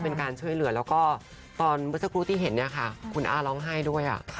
มีการช่วยเหลือแล้วก็ตอนเมื่อสักครู่ที่เห็นคุณอาร้องไห้ด้วย